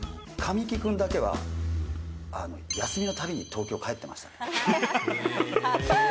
神木くんだけは休みのたびに東京、帰ってましたね。